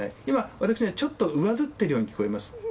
私ね、ちょっとうわずってるように聞こえます。